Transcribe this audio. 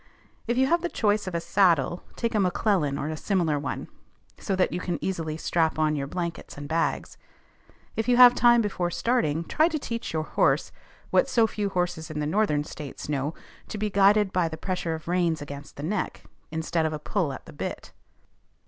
If you have the choice of a saddle, take a "McClellan" or a similar one, so that you can easily strap on your blankets and bags. If you have time before starting, try to teach your horse, what so few horses in the Northern States know, to be guided by the pressure of reins against the neck instead of a pull at the bit.